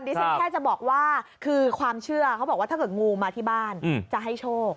ฉันแค่จะบอกว่าคือความเชื่อเขาบอกว่าถ้าเกิดงูมาที่บ้านจะให้โชค